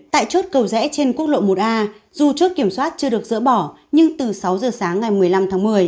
tại chốt cầu rẽ trên quốc lộ một a dù chốt kiểm soát chưa được dỡ bỏ nhưng từ sáu giờ sáng ngày một mươi năm tháng một mươi